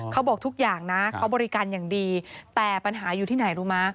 เขาบอกทุกอย่างนะเขาบริการอย่างดีแต่ปัญหาอยู่ที่ไหนรู้มั้